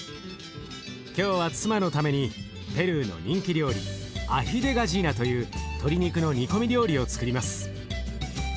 今日は妻のためにペルーの人気料理アヒ・デ・ガジーナという鶏肉の煮込み料理をつくります。